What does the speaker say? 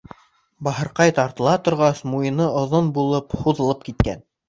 Бахырҡай, тартыла торғас, муйыны оҙон булып һуҙылып киткән.